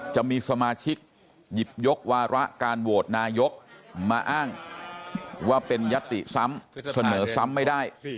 จะมีสมาชิกหยิบยกวาระการโหวตนายกมาอ้างว่าเป็นยัตติซ้ำเสนอซ้ำไม่ได้